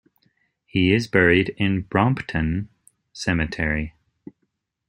He is buried in Brompton Cemetery.